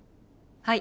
はい。